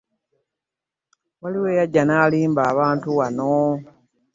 Waliwo eyajja n'alimba abantu wano.